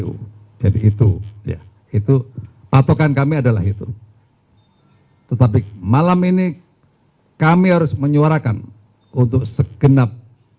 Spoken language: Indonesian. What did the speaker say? hai jadi itu ya itu patokan kami adalah itu tetapi malam ini kami harus menyuarakan untuk sekenap